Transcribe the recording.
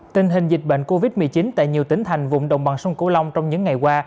tình hình dịch bệnh covid một mươi chín tại nhiều tỉnh thành vùng đồng bằng sông cửu long trong những ngày qua